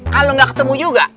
kalau gak ketemu juga